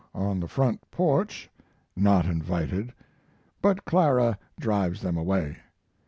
on the front porch (not invited), but Clara drives them away.